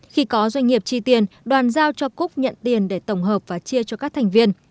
khi có doanh nghiệp chi tiền đoàn giao cho cúc nhận tiền để tổng hợp và chia cho các thành viên